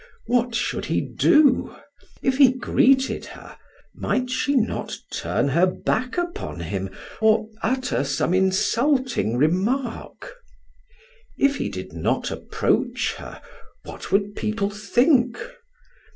What should he do? If he greeted her, might she not turn her back upon him or utter some insulting remark? If he did not approach her, what would people think?